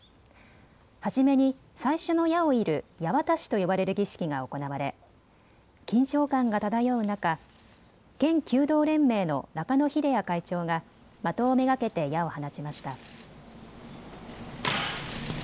初めに最初の矢を射る矢渡と呼ばれる儀式が行われ緊張感が漂う中、県弓道連盟の中野秀也会長が的を目がけて矢を放ちました。